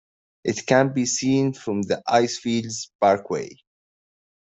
It can be seen from the Icefields Parkway.